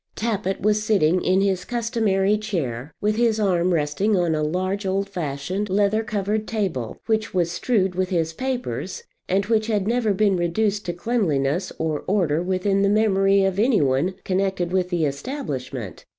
Tappitt was sitting in his customary chair, with his arm resting on a large old fashioned leather covered table, which was strewed with his papers, and which had never been reduced to cleanliness or order within the memory of any one connected with the establishment.